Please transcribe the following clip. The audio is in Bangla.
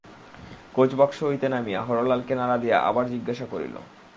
কোচবাক্স হইতে নামিয়া হরলালকে নাড়া দিয়া আবার জিজ্ঞাসা করিল ।